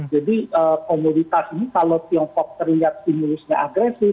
jadi komoditas ini kalau tiongkok terlihat stimulusnya agresif